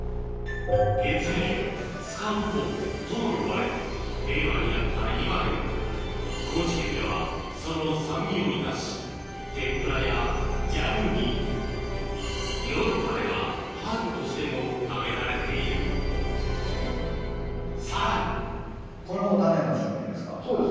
別名スカンポとも呼ばれ令和になった今でも高知県ではその酸味を生かし天ぷらやジャムにヨーロッパではハーブとしても食べられているさらにそうです